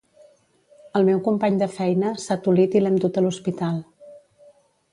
El meu company de feina s'ha tolit i l'hem dut a l'hospital.